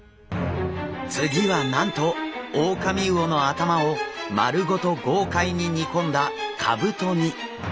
次はなんとオオカミウオの頭を丸ごと豪快に煮込んだかぶと煮。